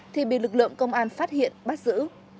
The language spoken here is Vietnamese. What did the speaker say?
thì bị lực lượng công an phát hiện bắt giữ